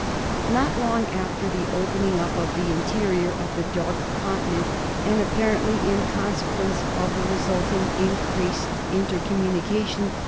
Not long after the opening up of the interior of the Dark Continent, and apparently in consequence of the resulting increased inter communication.